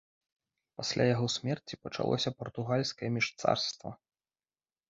Пасля яго смерці пачалося партугальскае міжцарства.